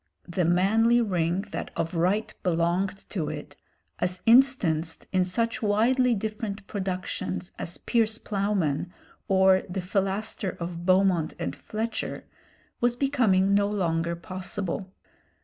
The manly ring that of right belonged to it, as instanced in such widely different productions as 'Piers Ploughman,' or the 'Philaster' of Beaumont and Fletcher, was becoming no longer possible.